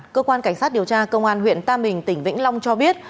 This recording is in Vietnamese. cơ quan cảnh sát điều tra công an huyện tam bình tỉnh vĩnh long cho biết